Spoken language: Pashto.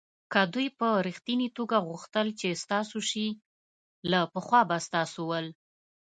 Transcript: که دوی په ریښتني توگه غوښتل چې ستاسو شي له پخوا به ستاسو ول.